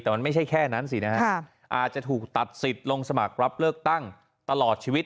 แต่มันไม่ใช่แค่นั้นสินะฮะอาจจะถูกตัดสิทธิ์ลงสมัครรับเลือกตั้งตลอดชีวิต